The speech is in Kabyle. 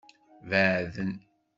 Beɛden.